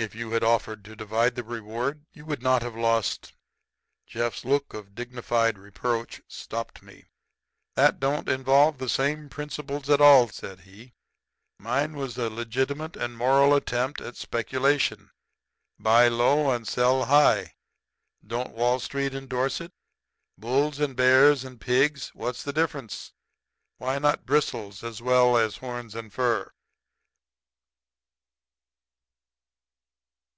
If you had offered to divide the reward you would not have lost " Jeff's look of dignified reproach stopped me. "That don't involve the same principles at all," said he. "Mine was a legitimate and moral attempt at speculation. Buy low and sell high don't Wall Street endorse it? Bulls and bears and pigs what's the difference? Why not bristles as well as horns and fur?"